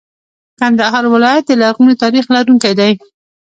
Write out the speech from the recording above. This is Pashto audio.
کندهار ولایت د لرغوني تاریخ لرونکی دی.